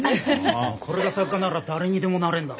ああこれが作家なら誰にでもなれんだろ。